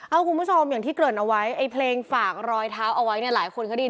เอาคุณผู้ชมอย่างที่เกริ่นเอาไว้ไอ้เพลงฝากรอยเท้าเอาไว้เนี่ยหลายคนเขาได้ยิน